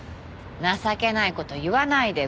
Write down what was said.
情けない事言わないで。